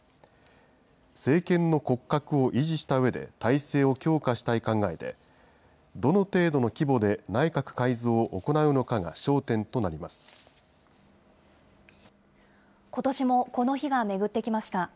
政権の骨格を維持したうえで、体制を強化したい考えで、どの程度の規模で内閣改造を行うのかが焦ことしもこの日が巡ってきました。